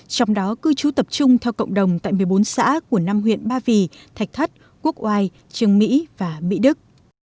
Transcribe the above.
trong đó cư trú tập trung theo cộng đồng tại một mươi bốn xã của năm huyện ba vì thạch thất quốc oai trương mỹ và mỹ đức